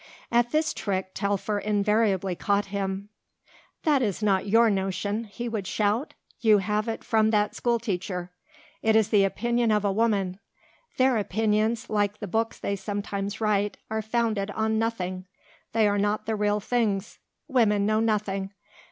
At this trick Telfer invariably caught him. "That is not your notion," he would shout, "you have it from that school teacher. It is the opinion of a woman. Their opinions, like the books they sometimes write, are founded on nothing. They are not the real things. Women know nothing.